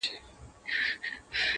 ه ستا د غزل سور له تورو غرو را اوړي.